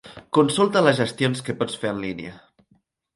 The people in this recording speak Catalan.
Consulta les gestions que pots fer en línia.